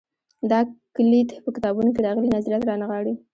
دا کُلیت په کتابونو کې راغلي نظریات رانغاړي.